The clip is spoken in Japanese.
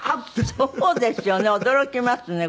そうですよね。